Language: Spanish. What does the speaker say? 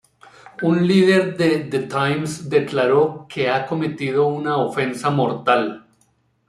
Un líder de The Times declaró que "ha cometido una ofensa mortal.